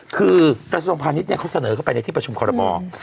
คือประสุนพาณิชย์เขาเสนอเข้าไปในที่ประชุมขอรับบอก